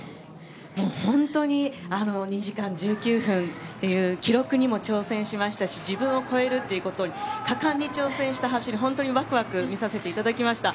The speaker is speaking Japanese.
本当に２時間１９分という記録にも挑戦しましたし自分を超えるということに果敢に挑戦した走り、本当にワクワク見させていただきました。